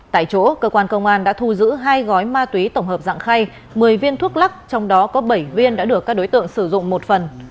tại chỗ cơ quan công an đã thu giữ hai gói ma túy tổng hợp dạng khay một mươi viên thuốc lắc trong đó có bảy viên đã được các đối tượng sử dụng một phần